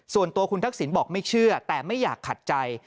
ส่วนตัวคุณทักษิณบอกไม่เชื่อแต่ไม่อยากขัดใจ